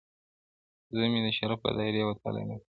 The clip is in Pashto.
زه مي د شرف له دایرې وتلای نسمه,